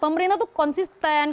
pemerintah itu konsisten